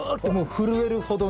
震えるほど？